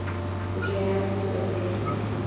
Njia yangu iwe ndefu.